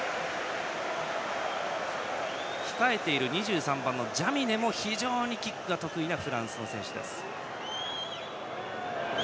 控えている２３番のジャミネも非常にキックが得意なフランスの選手です。